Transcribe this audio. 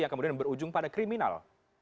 yang kemudian berujung pada kriminal